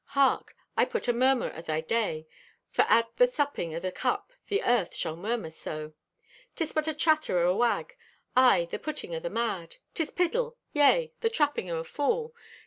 Hark! I put a murmur o' thy day, for at the supping o' this cup the earth shall murmur so: "'Tis but the chatter o' a wag! Aye, the putting o' the mad! 'Tis piddle! Yea, the trapping o' a fool!